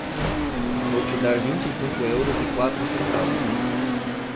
Vou te dar vinte e cinco euros e quatro centavos.